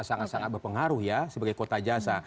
sangat sangat berpengaruh ya sebagai kota jasa